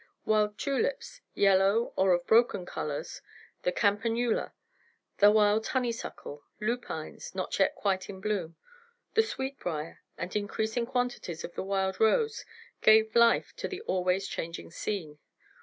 Wild tulips, yellow or of broken colors; the campanula, the wild honeysuckle, lupines not yet quite in bloom the sweetbrier and increasing quantities of the wild rose gave life to the always changing scene.